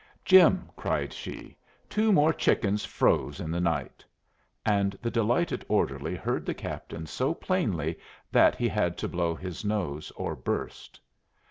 "Jim," cried she, "two more chickens froze in the night." And the delighted orderly heard the captain so plainly that he had to blow his nose or burst.